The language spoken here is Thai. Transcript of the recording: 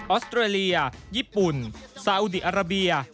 อสเตรเลียญี่ปุ่นซาอุดีอาราเบีย